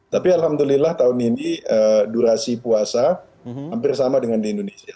tapi alhamdulillah tahun ini durasi puasa hampir sama dengan di indonesia